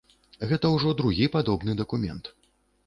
Гэта ўжо другі падобны дакумент.